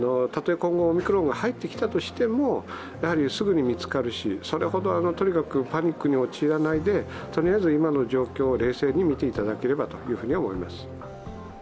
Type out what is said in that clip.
今後オミクロンが入ってきたとしてもすぐに見つかるし、とにかくパニックに陥らないでとりあえず今の状況を冷静に見ていただければと思います。